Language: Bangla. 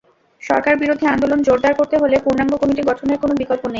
সরকারবিরোধী আন্দোলন জোরদার করতে হলে পূর্ণাঙ্গ কমিটি গঠনের কোনো বিকল্প নেই।